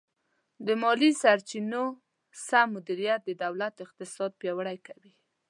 د مالي سرچینو سم مدیریت د دولت اقتصاد پیاوړی کوي.